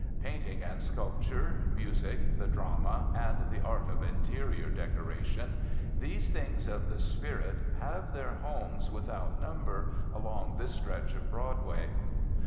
Painting and sculpture, music, the drama, and the art of "interior decoration," these things of the spirit have their homes without number along this stretch of Broadway.